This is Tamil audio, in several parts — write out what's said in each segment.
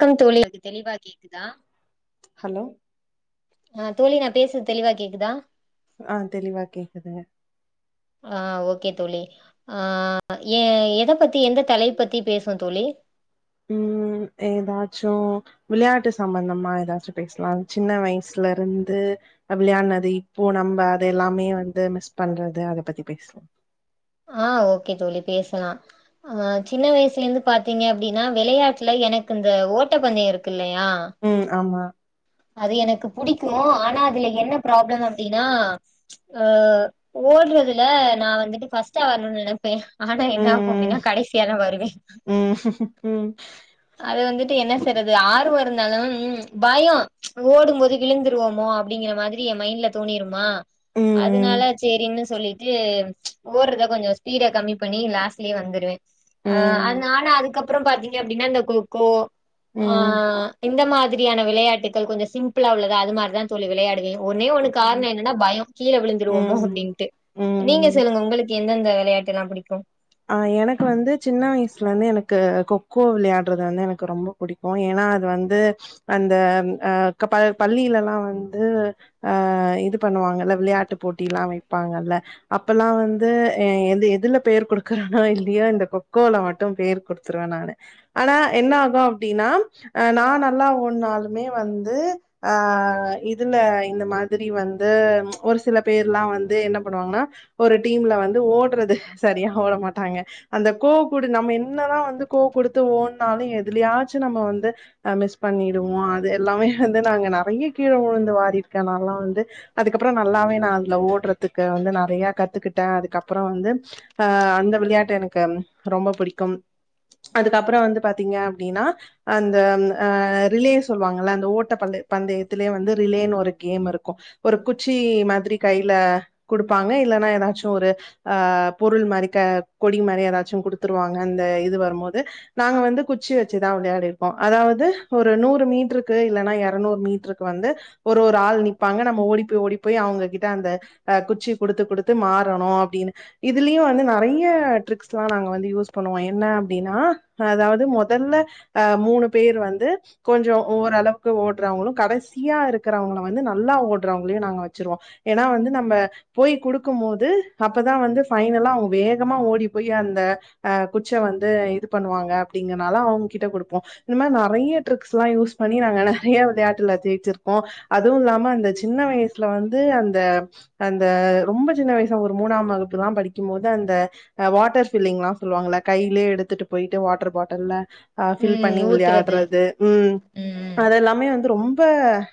வணக்கம் தோழி இப்ப தெளிவா கேக்குதா ஹலோ ஆ தோழி நா பேசுறது தெளிவா கேக்குதா ஆ தெளிவா கேக்குதுங்க ஆ ஓகே தோழி ஆ எ எத பத்தி எந்த தலை பத்தி பேசுவோ தோழி ம் ஏதாச்சு விளையாட்டு சம்பந்தமா ஏதாச்சு பேஸ்லா சின்ன வயிசுல இருந்து விளையாடுனது இப்போ நம்ம அது எல்லாமே வந்து மிஸ் பண்றது அத பத்தி பேஸ்லா ஆ ஓகே தோழி பேசலா அ சின்ன வயசுல இருந்து பாத்தீங்க அப்படின்னா வெளையாட்டுல எனக்கு இந்த ஓட்டப்பந்தயோ இருக்குல் இல்லையா ம் ஆமா அது எனக்கு புடிக் ஆனா அதுல என்ன ஃப்ராப்ளம் அப்டின்னா ஓடுறதுல நா வந்துட்டு ஃபஸ்ட் டா வரனுன் நெனப்பே ஆனா என்ன ஆகு ம் அப்படின்னா கடைசியாதா வருவே ம் ம் அது வந்துட்டு என்ன செய்றது ஆறு வரு இருந்தாலு ம் பயோ ஓடும் போது விழுந்துருவோமோ அப்படிங்கிற மாதிரி என் மைண்ட்ல தோணிருமா ம் அதனால சேரின்னு சொல்லிட் ஏ ஓ [unintelligible] கொஞ்சோ ஸ்பீட கம்மி பண்ணி லாஸ்லயே வந்துடுவேன் ஆ ம் அது நானா அதுக்கப்றோ பாத்தீங்கனா எப்டின்னா அந்த கோக்கோ ஆ ம் இந்த மாதிரியான விளையாட்டுகள் கொஞ்சம் சிம் ளா உள்ளது அது மாதிரி தா தோழி விளையாடுவேன் ஒன்னே ஒண்ணு ம் காரணம் என்னன்னா பயம் கீழ விழுந்துடுவோமோ ம் அப்டின்ட்டு நீங்க ம் சொல்லுங்க உங்களுக்கு எந்தெந்த விளையாட்டு எல்லா பிடிக்கும் அ எனக்கு வந்து சின்ன வயசுலந்து எனக்கு கொக்கோ விளையாடுறது வந்து எனக்கு ரொம்ப புடிக்கும் ஏன்னா அது வந்து அந்த அ ப பள்ளியில எல்லா வந்து அ இது பண்ணுவாங்கல்ல விளையாட்டு போட்டி எல்லா வைப்பாங்கல்ல அப்பெல்லாம் வந்து அ எது எதுல பேர் குடு னோ இல்லியே இந்த கொக்கோல மட்டும் பேர் குடுத்துருவேன் நானு ஆனா என்ன ஆகும் அப்டின்னா அ நா நல்லா ஓடுனாலுமே வந்து ஆ இதுல இந்த மாதிரி வந்து ஒரு சில பேர்லாம் வந்து என்ன பண்ணுவாங்கன்னா ஒரு டீம்ல வந்து ஓடுறது சரியா ஓட மாட்டாங்க அந்த கோ குடு நம்ம என்ன தா வந்து கோ குடுத்து ஓடுனாலும் எதிலயாச்சும் நம்ம வந்து அ மிஸ் பண்ணிடுவோம் அது எல்லாமே வந்து நாங்க நெறைய கீழ உழுந்து வாரிருக்கேன் நா எல்லா வந்து அதுக்கப்றோ நல்லாவே நா அதுல ஓடுறதுக்கு வந்து நெறைய கத்துக்கிட்டேன் அதுக்கப்றோ வந்து அ அந்த வெளையாட்டு எனக்கு ரொம்ப புடிக்கும் அதுக்கப்புறோம் வந்து பாத்தீங்க அப்டின்னா அந்த அ ரிலே சொல்லுவாங்கல்ல அந்த ஓட்ட பந் பந்தயத்துலேயே வந்து ரிலேன்னு ஒரு கேம் இருக்கும் ஒரு குச்சி மாதிரி கையில குடுப்பாங்க இல்லன்னா ஏதாச்சும் ஒரு ஆ பொருள் மாரி க கொடி மாரி ஏதாச்சும் குடுத்துருவாங்க அந்த இது வரும்போது நாங்க வந்து குச்சி வச்சு தா விளையாடி இருக்கோம் அதாவது ஒரு நூறு மீட்டருக்கு இல்லைன்னா இருநூறு மீட்டருக்கு வந்து ஒரு ஒரு ஆள் நிற்பாங்க நம்ம ஓடி போய் ஓடி போய் அவங்ககிட்ட அந்த அ குச்சி குடுத்து குடுத்து மாறணும் அப்டின்னு இதுலயும் வந்து நெறைய ட்ரிக்ஸ்லா நாங்க வந்து யூஸ் பண்ணுவோம் என்ன அப்டின்னா அதாது மொதல்ல அ மூணு பேர் வந்து கொஞ்சோ ஓரு அளவுக்கு ஓடுறவங்களும் கடைசியா இருக்கிறவங்கள வந்து நல்லா ஓடுறவங்களவும் நாங்க வச்சுருவோ ஏன்னா வந்து நம்ம போய் குடுக்கும் போது அப்போ தா வந்து ஃபைனலா அவங்க வேகமா ஓடி போய் அந்த அ குச்ச வந்து இது பண்ணுவாங்க அப்டிங்கனால அவங்க கிட்ட குடுப்போம் இந்த மாரி நெறைய ட்ரிக்ஸ்ல்லா யூஸ் பண்ணி நாங்க நெறைய வெளையாட்டுல ஜெய்ச்சிருக்கோம் அதுவும் இல்லாம அந்த சின்ன வயசுல வந்து அந்த அந்த ரொம்ப சின்ன வயசா ஒரு மூணாம் வகுப் இப்டில்லா படிக்கும் போது அந்த வாட்டர் ஃபில்லிங்ல்லா சொல்லுவாங்கள கையிலயே எடுத்துட்டு போயிட்டு வாட்டர் பாட்டில ஆ ஃபில் ம் பண்ணி ஊத்துறது விளையாடுறது ம் அதெல்லாமே வந்து ரொம் ரொம்ப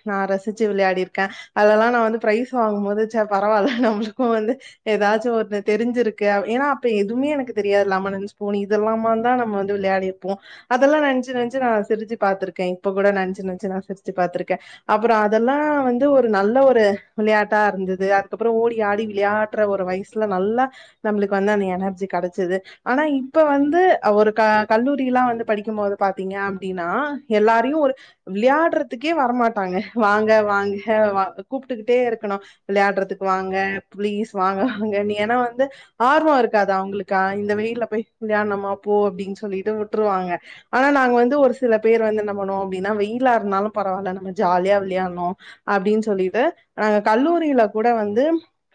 நா ரசிச்சு விளையாடி இருக்கேன் அதெல்லா நா வந்து பிரைஸ் வாங்கும் போது பரவாயில்ல நம்மளுக்கும் வந்து ஏதாச்சும் ஒரு தெரிஞ்சிருக்கு ஏன்னா அப்ப எதுவுமே எனக்கு தெரியாது லெமன் இன் ஸ்பூன் இதெல்லாம தா நம்ம வந்து விளையாடி இருப்போம் அதெல்லாம் நினைச்சு நினைச்சு நா சிரிச்சு பாத்திருக்கேன் இப்ப கூட நினைச்சு நினைச்சு நா சிரிச்சு பாத்திருக்கேன் அப்புறம் அதெல்லாம் வந்து ஒரு நல்ல ஒரு விளையாட்டா இருந்தது அதுக்கப்பறோ ஓடி ஆடி விளையாடுற ஒரு வயசு நல்ல நம்மளுக்கு வந்து அந்த எனர்ஜி கடைச்சது ஆனா இப்ப வந்து ஒரு கல்லூரி எல்லா வந்து படிக்கும்போது பாத்தீங்க அப்டின்னா எல்லாரையும் ஒரு விளையாடுறதுக்கே வரமாட்டாங்க வாங்க வாங்க கூப்பிட்டுக்கிட்டே இருக்கணும் விளையாடுறதுக்கு வாங்க பளீஸ் வாங்க அங்க நீ ஏன்னா வந்து ஆர்வம் இருக்காது அவங்களுக்கு இந்த வெயில போய் விளையாடனுமா போ அப்டின்னு சொல்லிட்டு விட்டுருவாங்க ஆனா நாங்க வந்து ஒரு சில பேர் வந்து என்ன‌ பண்ணுவோம் அப்டின்னா வெயிலா இருந்தாலும் பரவாயில்ல நம்ம ஜாலியா விளையாடணும் அப்டின்னு சொல்லிட்டு கல்லூரியில கூட வந்து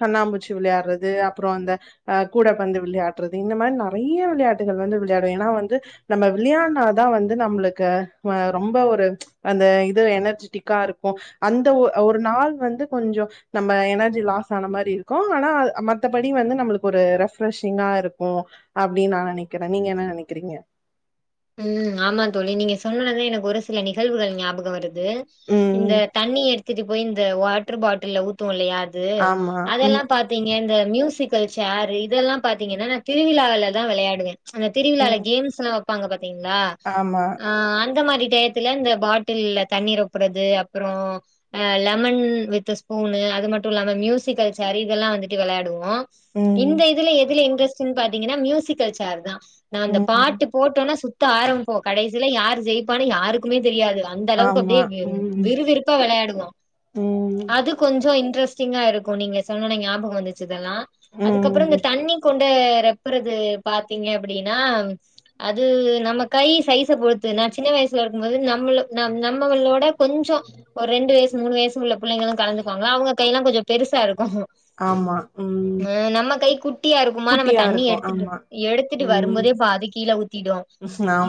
கண்ணாம்பூச்சி விளையாடுறது வந்து அப்புறோ அந்த அ கூடப்பந்து விளையாடுறது இந்த மாரி நிறைய விளையாட்டுகள் வந்து விளையாடும் ஏன்னா வந்து நம்ம விளையாடினா தா வந்து நம்மளுக்கு ரொம்ப ஒரு அந்த இது எனர்ஜிட்டிக்கா இருக்கும் அந்த ஒ ஒரு நாள் வந்து கொஞ்சோ நம்ம எனர்ஜி லாஸ் ஆன மாரி இருக்கும் ஆனா மத்தபடி வந்து நம்மளுக்கு ஒரு ரெஃப்ரெஷிங்கா இருக்கும் அப்டின்னு நா நினைக்கிறேன் நீங்க என்ன நினைக்கிறீங்க ம் ஆமா தோழி நீங்க சொன்னது எனக்கு ஒரு சில நிகழ்வுகள் ஞாபகம் வரு து இந்த ம். தண்ணி எடு த்துட்டு போய் இந்த வாட்டர் பாட்டில ஊத்துவோ இல்லயா து ஆமா. அதெல்லா ம், பாத்தீங்க இந்த மியூசிக்கல் சேரு இதெல்லா பாத்தீங்கன்னா நா திருவிழால தா விளையாடுவேன் அந்த திருவிழால ம். கேம்ஸ்லாம் வை ப்பாங்க பாத்தீங்களா ஆமா. ஆ ஆன் இந்த மாரி டயத்துல இந்த பாட்டில்ல தண்ணீர் நொப்புறது அப்றோ லெமன் வித் ஸ்பூனு அது மட்டும் இல்லாம மியூசிக்கல் சேரு இதெல்லா வந்துட்டு விளையாடுவோம் ம், இந்த இதுல எதுல இன்ட்ரஸ் ட்னு பாத்தீங்கன்னா மியூசிக்கல் சேர் தான் நா அந்த ம். பாட்டு சுத்து ஆரம்பிப்போ கடைசில யார் ஜெயிப்பான்னு யாருக்குமே தெரியாது அந்த அளவுக்கு ஆமா. அப்டியே ம், விறுவிறுப்பா விளையாடுவோம் ம், அது கொஞ்சோ இன்ட்ரெஸ் டிங்கா இருக்கும் நீங்க சொன்னனே ஞாபம் வந்துச்சு இதல்லா அதுக்கப்புறோ இங்க ம். தண்ணி கொண் டு ரெப்புறது பாத்தீங்க அப்டின்னா அது நம்ம கை சைஸ பொருத்து நா சின்ன வயசுல இருக்கும் போது நம்மள நம் நம்மவளோட கொஞ்சோ ஒரு ரெண்டு வயசு மூணு வயசு உள்ள புள்ளைங்களு கலந்துக்கவாங்களா அவங்க கையெல்லா கொஞ்ச பெருசா இருக்கு ஆமா. ம். ஆ நம்ம கை குட்டியா இருக்குமா நம்ம குட்டியா தண்ணி இருக்கும். எடுத்துட்டு ஆமா. எடுத்துட்டு ம். வரும்போதே பாதி கீழ ஊத் திரு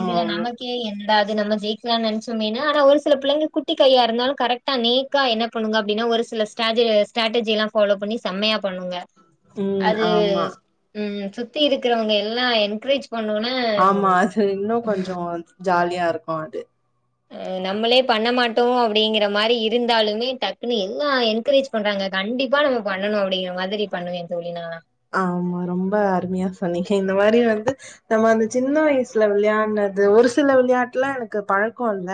இதுல நமக்கே என் னடா இது நம்ம ஜெயிக்கலாம்னு நெனைச்சோமே ஆனா ஒரு சில பிள்ளைங்க குட்டி கையா இருந்தாலு கரெக்டா நேக்கா என்ன பண்ணுங்க அப்டின்னா ஒரு சில ஸ்ட்ராஜு ஸ்ட்ராட்டஜி எல்லா ஃபாலோ பண்ணி செமையா பண்ணுங்க ம். அது ஆமா. உம் சுத்தி இருக்கிறவங்க எல்லா என்கரேஜ் பண்ணவுன்னே மா அது இன்னும் கொஞ்சோ ஜாலியா இருக்கு அது ஆ நம்மளே பண்ண மாட் டோ அப்டிங்கிற மாரி இருந்தாலுமே டக்குன்னு எல்லா என்கரேஜ் பண்றாங்க கண்டிப்பா நம்ம பண்ணனு அப்டிங்கற மாதிரி பண்ணுவே தோழி நா ஆமா ரொம்ப அருமையா சொன்னீங்க இந்த மாரி வந்து நம்ம அந்த சின்ன வயசுல விளையாட்னது ஒரு சில விளையாட்டுலா எனக்கு பழக்கோ இல்ல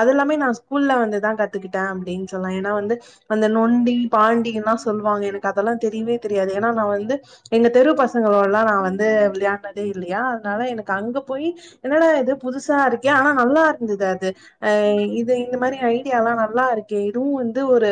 அது எல்லாமே நா ஸ்கூல்ல வந்துதா கத்துக்கிட்டே அப்டின்னு சொல்லலா. ஏன்னா வந்து அந்த நொண்டி பாண்டில்லா சொல்வாங்க எனக்கு அதெல்லா தெரியவே தெரியாது. ஏன்னா நா வந்து எங்க தெரு பசங்களோடல்லா நா வந்து விளையாடுனதே இல்லயா அதனால எனக்கு அங்க போய் என்னடா இது புதுசா இருக்கே ஆனா நல்லா இருந்தது அது ஆ இது இந்த மாரி ஐடியால்லா நல்லா இருக்கே இதுவு வந்து ஒரு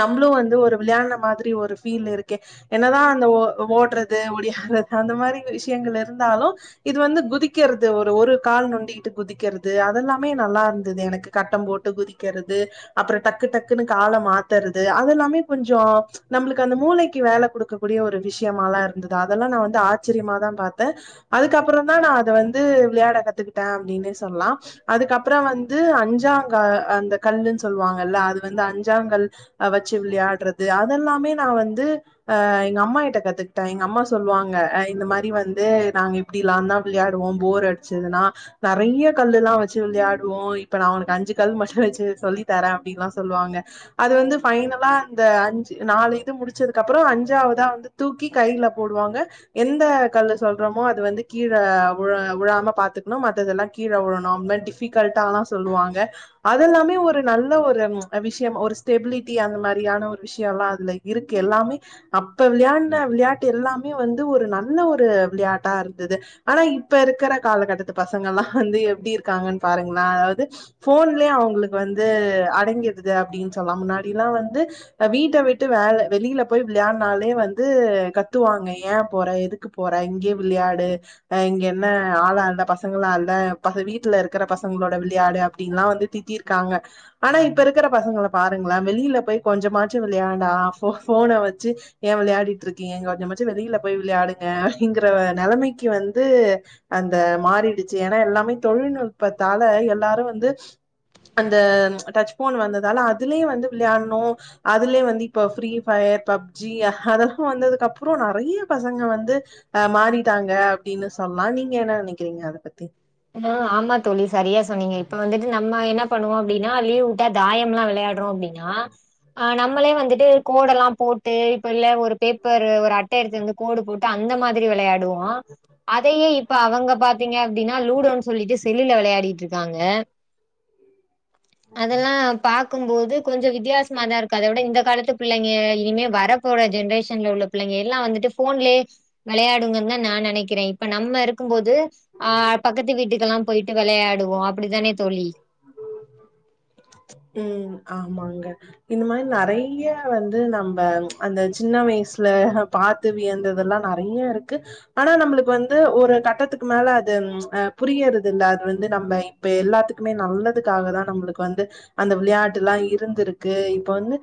நம்மளு வந்து ஒரு விளையாட்ன மாதிரி ஒரு ஃபீல் இருக்கே என்னதா அந்த ஓ ஓடுறது ஒடியாடறது அந்த மாரி விஷயங்கள் இருந்தாலு இது வந்து குதிக்கிறது ஒரு ஒரு கால் நொண்டிட்டு குதிக்கிறது அதெல்லாமே நல்லா இருந்தது எனக்கு. கட்டம் போட்டு குதிக்கிறது அப்றோ டக்கு டக்குன்னு கால மாத்துறது அதெல்லாமே கொஞ்சோ நம்மளுக்கு அந்த மூளைக்கு வேல குடுக்க க்கூடிய ஒரு விஷயமாதா இருந்தது. அதெல்லா நா வந்து ஆச்சரியமாதா பாத்தே. அதுக்கப்புறம்தா நா அத வந்து விளையாட கத்துக்கிட்டே அப்டின்னே சொல்லலா. அதுக்கப்புற வந்து அஞ்சாங்க அந்த கல்லுன்னு சொல்வாங்கல்ல அது வந்து அஞ்சாங்கல் ஆ வச்சு விளையாடுறது அதெல்லாமே நா வந்து ஆ எங்க அம்மாட்ட கத்துக்கிட்டே. எங்க அம்மா சொல்வாங்க ஆ இந்த மாரி வந்து நாங்க இப்டில்லாந்தா விளையாடுவோ போர் அடிச்சதுன்னா. நெறைய கல்லு எல்லா வச்சு விளையாடுவோ இப்ப நா உனக்கு அஞ்சு கல் மட்டு வச்சு சொல்லி தரே அப்டின்லா சொல்வாங்க. அது வந்து ஃபைனலா இந்த அஞ்சு நாலு இது முடிச்சதுக்குப்புறோ அஞ் அஞ்சாவதா வந்து தூக்கி கையில போடுவாங்க. எந்த கல்லு சொல்றோமோ அது வந்து கீழே உழ உழாம பாத்துக்கணு மத்ததெல்லா கீழ வுழணு அந்த மாரி டிஃபிகல்டால்லா சொல்லுவாங்க. அதெல்லாமே ஒரு நல்ல ஒரு ம் அ விஷயம் ஒரு ஸ்டெபிலிட்டி அந்த மாரியான ஒரு விஷயல்லா அதுல இருக்கு எல்லாமே அப்ப விளையாண்ட விளையாட்டு எல்லாமே வந்து ஒரு நல்ல ஒரு விளையாட்டா இருந்துது. ஆனா இப்ப இருக்கிற காலகட்டத்து பசங்கல்லா வந்து எப்டி இருக்காங்கன்னு பாருங்களே அதாவது ஃபோன்லயே அவங்களுக்கு வந்து அடங்கிடுது அப்டின்னு சொல்லலா. முன்னாடில்லா வந்து ஆ வீட்ட விட்டு வேல வெளியில போய் விளையாடுனாலே வந்து கத்துவாங்க ஏன் போற எதுக்கு போற இங்கயே விளையாடு ஆ இங்க என்ன ஆளா இல்ல பசங்களா இல்ல பச வீட்ல இருக்கற பசங்களோட விளையாடு அப்டின்ல்லா வந்து திட்டிருக்காங்க. ஆனா இப்ப இருக்கிற பசங்கள பாருங்களே வெளியில போய் கொஞ்சமாச்சு விளையாண்டா ஃபோ ஃபோன வச் சு ஏ விளையாடிட்டு இருக்கீங்க கொஞ்சமாச்சு வெளியில போய் விளையாடுங்க அப்டிங்கிற நெலைமைக்கி வந்து அந்த மாறிடுச்சு. ஏன்னா எல்லாமே தொழில்நுட்பத்தால எல்லாரு வந்து அந்த டச் ஃபோன் வந்ததால அதுலயே வந்து விளையாடணு அதுலயே வந்து இப்ப ஃப்ரீ ஃபயர் ஃபப் ஜி அதெல்லா வந்ததுக்கு அப்றோ நெறைய பசங்க வந்து ஆ மாறிட்டாங்க அப்டின்னு சொல்லலா நீங்க என்ன நெனைக்கிறீங்க அத பத் ஆ ஆமா தோழி சரியா சொன்னீங்க. இப்ப வந்துட்டு நம்ம என்ன பண்ணுவோ அப்டினா லீவ் வுட்டா தாயம்லா வெளையாடுறோ அப்டின்னா ஆ நம்மளே வந்துட்டு கோடல்லா போட்டு இப்ப இல்ல ஒரு பேப்பர் ஒரு அட்ட எடுத்து வந்து கோடு போட்டு அந்த மாதிரி வெளையாடு வோ அதையே இ ப்ப அவங்க பாத்தீங்க அப்டின்னா லூடோனு சொல்லிட்டு செல்லுல வெளையா டிட்ருக்காங்க அதெல்லா பா க்கும் போது கொஞ்ச வித்தியாசமாதா இருக்கு அத விட இந்த காலத்து பிள்ளைங்க இனிமே வரப்போற ஜென்ரேஷன்ல உள்ள பிள்ளைங்க எல்லா வந்துட்டு ஃபோன்லயே வெளையாடுங்கன்னுதா நா நெனைக்கிறே. இப்ப நம்ம இருக்கும் போது ஆ பக்கத்து வீட்டுக்கெல்லா போயிட்டு வெளையாடுவோ அப்பிடிதானே தோழி? ம் ஆமாங்க. இந்த மாரி நெறைய வந்து நம்ப அந்த சின்ன வயசுல பாத்து வியந்ததல்லா நெறைய இருக்கு. ஆனா நம்மளுக்கு வந்து ஒரு கட்டத்துக்கு மேல அது ஆ புரியிறது இல்ல அது வந்து நம்ம இப்ப எல்லாத்துக்குமே நல்லதுக்காக தான் நம்மளுக்கு வந்து அந்த வெளையாட்டுல்லாம் இருந்திருக்கு இப்ப வந்து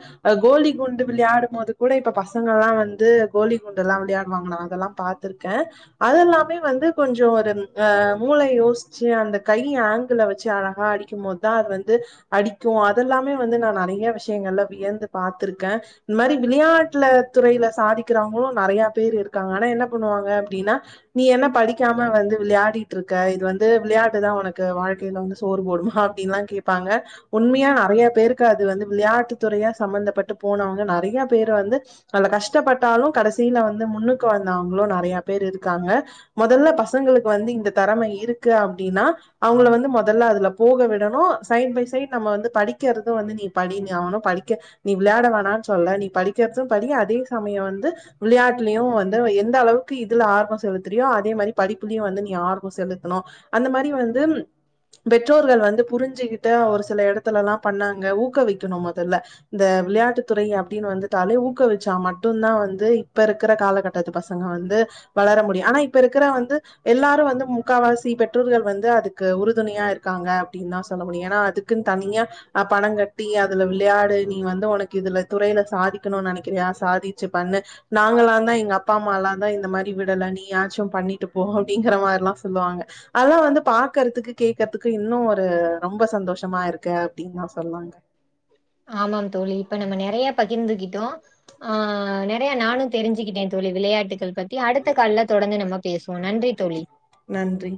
கோலி குண்டு வெளையாடும் போது கூட இப்ப பசங்கல்லாம் வந்து கோலி குண்டு எல்லாம் விளையாடுவாங்க நா அதெல்லாம் பாத்துருக்கேன் அதெல்லாமே வந்து கொஞ்சோம் ஒரு அ மூளைய யோசிச்சு அந்த கை ஆங்கிள வச்சு அடிக்கும் போது தான் அது வந்து அடிக்கும் அதெல்லாமே வந்து நான் நிறைய விஷயங்கள்ல வியந்து பாார்த்திருக்கேன் இந்த மாதிரி விளையாட்டுல துறையில சாதிக்கிறவங்களும் நிறைய பேர் இருக்காங்க ஆனா என்ன பண்ணுவாங்க அப்படின்னா நீ என்ன படிக்காம வந்து விளையாடிட்டு இருக்க இது வந்து விளையாட்டுதான் உனக்கு வாழ்க்கையில வந்து சோறு போடுமா அப்படின்னுல்லா கேட்பாங்க உண்மையா நெறைய பேருக்கு அது வந்து வெளயாட்டு துறையா சம்பந்தப்பட்டு போனவங்க நெறைய பேரு வந்து நல்ல கஷ்டப்பட்டாலோ கடசியில வந்து முன்னுக்கு வந்தவங்களோ நெறைய பேர் இருக்காங்க முதல்ல பசங்களுக்கு வந்து இந்த திறம இருக்கு அப்டின்னா அவங்க வந்து முதல்லா அதுல ‌போக விடணும் சைட் பை சைட் நம்ம வந்து படிக்கிறதும் வந்து நீ படி நீனும் படிக்க நீ வெளையாட வேணானு சொல்லல நீ படிக்கிறதும் படி அதே சமயம் வந்து வெளையாட்டுலயும் வந்து எந்த அளவுக்கு இதுல ஆர்வம் செலுத்துறியோ அதே மாரி படிப்புலயும் வந்து நீ ஆர்வம் செலுத்தணும் அந்த மாதிரி வந்து பெற்றோர்கள் வந்து புரிஞ்சுகிட்ட ஒரு சில இடத்துலல்லாம் பண்ணாங்க ஊக்கவிக்கணும் மொதல்ல இந்த விளையாட்டு துறை அப்டின்னு வந்துட்டாலே ஊக்கவிச்சா மட்டும்தான் வந்து இப்ப இருக்கிற காலகட்டத்து பசங்க வந்து வளர முடியும் ஆனா இப்ப இருக்கிற வந்து எல்லாரும் வந்து முக்கால்வாசி பெற்றோர்கள் வந்து அதுக்கு உ உறுதுணையா இருக்காங்க அப்டின்னு தான் சொல்ல முடியும் ஏன்னா அதுக்குன்னு தனியா ஹ பணம் கட்டி அதுல வெளையாடு நீ வந்து உனக்கு இதுல துறையில சாதிக்கணும்னு நெனைக்கிறியா சாதிச்சு பண்ணு நாங்களாம் தான் எங்க அப்பா அம்மாலாம் தான் இந்த மாதிரி விடல நீயாச்சும் பண்ணிட்டு போ அப்டிங்கிற மாரில்லாம் சொல்லுவாங்க அதல்லாம் வந்து பாக்குறதுக்கு கேக்கறதுக்கு இன்னும் ஒரு ரொம்ப சந்தோஷமா இருக்கு அப்டின்னு நான் சொல்லாங்க ஆமாம் தோழி இப்ப நம்ம நெறைய பகிர்ந்துகிட்டோம் ஆ நெறைய நானும் தெரிஞ்சுக்கிட்டேன் தோழி வெளையாட்டுகள் பத்தி அடுத்த கால் ல தொடர்ந்து நம்ம பேசுவோம் நன்றி தோழி நன்றி.